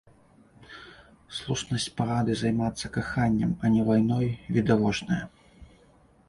Слушнасць парады займацца каханнем, а не вайной відавочная.